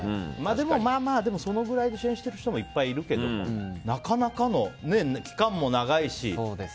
でもまあまあ、そのくらいで主演をしてる人もいっぱいいるけどもなかなかのね、期間も長いし。